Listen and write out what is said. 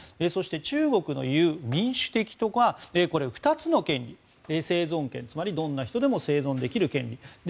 そして、中国の言う民主的とは２つの権利、生存権つまりどんな人でも生存できる権利。